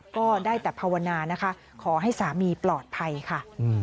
ก็ได้แต่ภาวนานะคะขอให้สามีปลอดภัยค่ะ